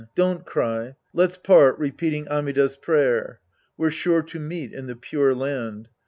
Don't cry. Let's part repeating Amida's prayer. We're sure to meet in the Pure Land.